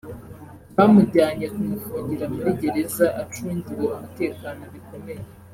bamujyanye kumufungira muri Gereza acungiwe umutekano bikomeye